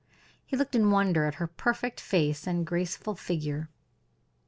He looked in wonder at her perfect face and graceful figure.